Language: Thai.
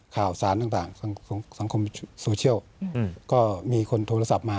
ข่าวสารต่างสังคมโซเชียลก็มีคนโทรศัพท์มา